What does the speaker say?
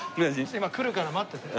今来るから待ってて。